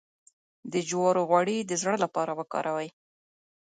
د جوارو غوړي د زړه لپاره وکاروئ